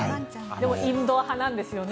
でもインドア派なんですね。